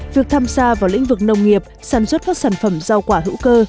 việc tham gia vào lĩnh vực nông nghiệp sản xuất các sản phẩm rau quả hữu cơ